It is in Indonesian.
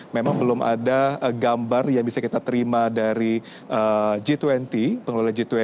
memang belum ada gambar yang bisa kita terima dari g dua puluh pengelola g dua puluh